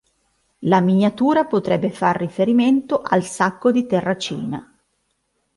La miniatura potrebbe far riferimento al sacco di Terracina.